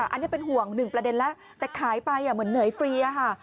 อันนี้เป็นห่วงหนึ่งประเด็นแล้วแต่ขายไปเหมือนเหนื่อยฟรีค่ะ